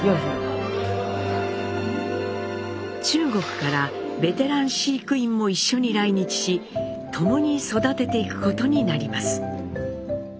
中国からベテラン飼育員も一緒に来日し共に育てていくことになります。